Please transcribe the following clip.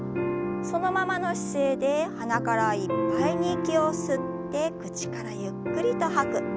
そのままの姿勢で鼻からいっぱいに息を吸って口からゆっくりと吐く。